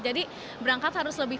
jadi berangkat harus lebih